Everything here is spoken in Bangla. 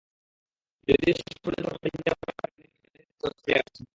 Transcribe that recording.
যদিও শেষ পর্যন্ত কাপটা জিততে পারেনি তারা, ফাইনালে হেরেছে অস্ট্রেলিয়ার কাছে।